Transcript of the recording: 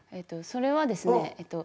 それはですね